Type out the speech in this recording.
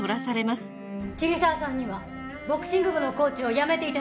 桐沢さんにはボクシング部のコーチを辞めて頂きます。